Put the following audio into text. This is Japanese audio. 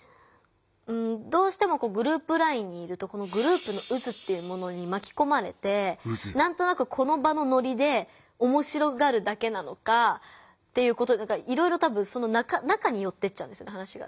どうしてもグループＬＩＮＥにいるとグループの渦っていうものにまきこまれてなんとなくこの場のノリでおもしろがるだけなのかいろいろ多分その中によってっちゃうんです話が。